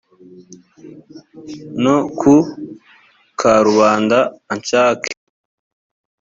no ku karubanda anshake